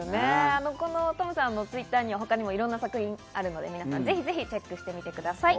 ＴｏｍさんのＴｗｉｔｔｅｒには他にもいろんな作品あるので、皆さん、ぜひチェックしてください。